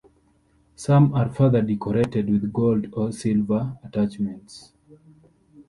Some are further decorated with gold or silver attachments.